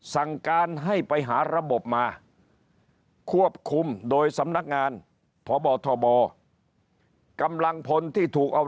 สั่งการให้ไปหาระบบมาควบคุมโดยสำนักงานพบทบกำลังพลที่ถูกเอา